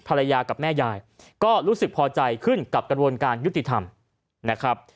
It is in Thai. ภรรยากับแม่ยายก็รู้สึกพอใจขึ้นกับกระบวนการยุติธรรมนะครับ